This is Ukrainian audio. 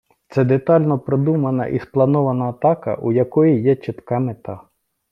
Це детально продумана і спланована атака, у якої є чітка мета.